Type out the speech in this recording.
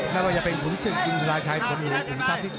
ไม่ว่าจะเป็นกุญสึงอิงคุณาชายบรรยากุญชัพ